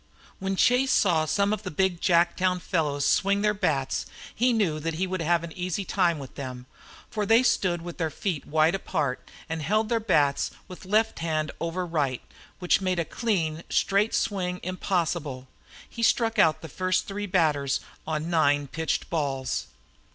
When Chase saw some of the big Jacktown fellows swing their bats he knew he would have an easy time with them, for they stood with their feet wide apart, and held their bats with the left hand over the right, which made a clean, straight swing impossible. He struck out the first three batters on nine pitched balls.